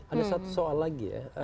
ada satu soal lagi ya